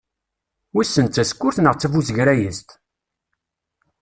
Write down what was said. Wissen d tasekkurt neɣ d tabuzegrayezt?